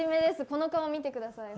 この顔を見てください。